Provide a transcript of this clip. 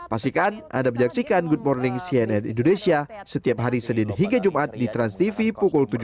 pastikan anda menyaksikan good morning cnn indonesia setiap hari senin hingga jumat di transtv pukul tujuh belas